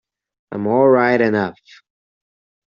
I'm all right enough.